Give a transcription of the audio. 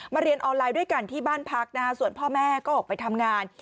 เรียนออนไลน์ด้วยกันที่บ้านพักนะฮะส่วนพ่อแม่ก็ออกไปทำงาน